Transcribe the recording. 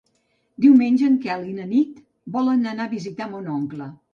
Diumenge en Quel i na Nit volen anar a visitar mon oncle.